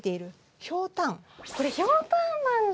これひょうたんなんだ！